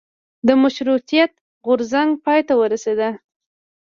د مشروطیت غورځنګ پای ته ورسیده.